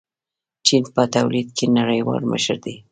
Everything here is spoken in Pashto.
چین په تولید کې نړیوال مشر دی.